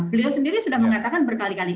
beliau sendiri sudah mengatakan berkali kali